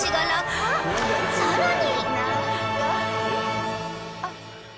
［さらに］